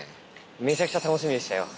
めちゃくちゃ楽しみでしたよ。